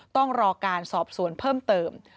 ต้องรอการสอบสวนเพิ่มเติม